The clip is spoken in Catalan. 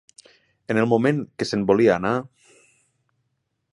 En el moment que se'n volia anar...